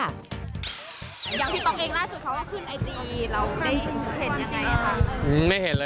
อย่างที่บอกเองล่าสุดเขาว่าขึ้นไอจีเราได้